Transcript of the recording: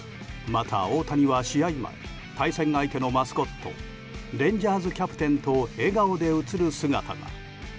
また大谷は試合前対戦相手のマスコットレンジャーズ・キャプテンと笑顔で写る姿が。